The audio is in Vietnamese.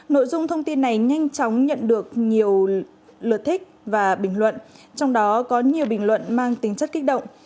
nội dung thông tin này nhanh chóng nhận được nhiều lượt thích và bình luận trong đó có nhiều bình luận mang tính chất kích động